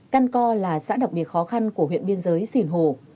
căn co là xã đặc biệt khó khăn của huyện biên giới sìn hồ